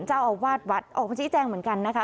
เจ้าอวาดวัดที่พระครูชิจอยู่แห่งเหมือนกันนะฮะ